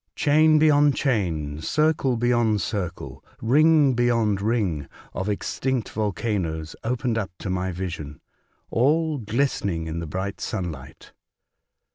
Chain beyond chain, circle beyond circle, ring beyond ring, of extinct volcanoes opened up to my vision, — all glistening in the bright sunlight.